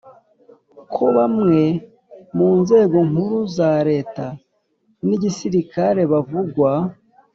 kobamwe mu nzego nkuru za leta n'igisirikare bavugwa